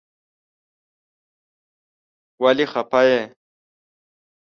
ولی خپه یی ؟